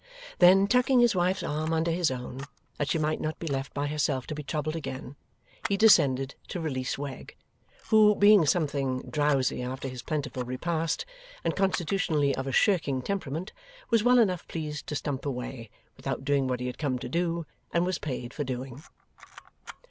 Then, tucking his wife's arm under his own, that she might not be left by herself to be troubled again, he descended to release Wegg. Who, being something drowsy after his plentiful repast, and constitutionally of a shirking temperament, was well enough pleased to stump away, without doing what he had come to do, and was paid for doing.